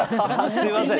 すみません。